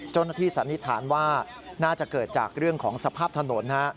สันนิษฐานว่าน่าจะเกิดจากเรื่องของสภาพถนน